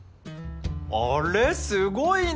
あれすごいな。